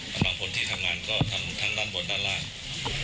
ดำบังผลที่ทำงานก็ทำนั้นบนด้านล่าง